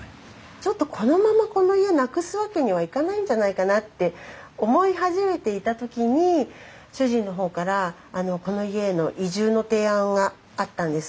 ちょっとこのままこの家なくすわけにはいかないんじゃないかなって思い始めていた時に主人の方からこの家への移住の提案があったんです。